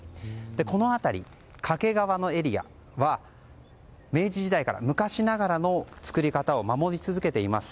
この辺り、掛川のエリアは明治時代から昔ながらの作り方を守り続けています。